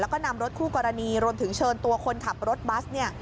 แล้วก็นำรถคู่กรณีรวมถึงเชิญตัวคนขับรถบัสเนี่ย